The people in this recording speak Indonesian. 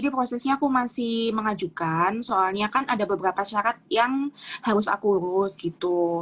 prosesnya aku masih mengajukan soalnya kan ada beberapa syarat yang harus aku urus gitu